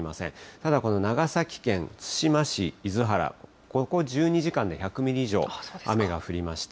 ただ、この長崎県、つしまし・いづはら、ここ１２時間で１００ミリ以上雨が降りました。